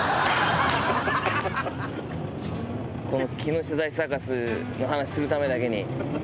この木下大サーカスの話するためだけに。